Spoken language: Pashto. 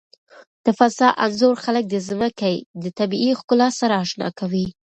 د فضا انځور خلک د ځمکې د طبیعي ښکلا سره آشنا کوي.